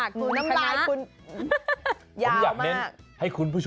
คุณน้ำลายคุณ